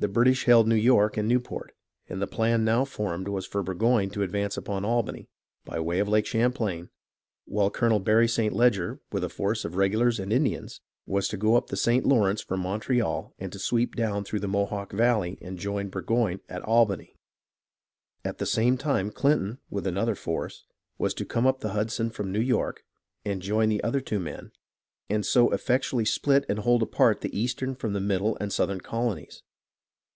The British held New York and Newport, and the plan now formed was for Burgoyne to advance upon Albany by the way of Lake Champlain while Colonel Barry St. Leger with a large force of regulars and Indians was to go up the St. Lawrence from Montreal and to sweep down through the Mohawk valley and join Burgoyne at Albany. At the same time Clinton with another force was to come up the Hudson from New York and join the other two men and so effectually split and hold apart the eastern from the middle and southern colonies.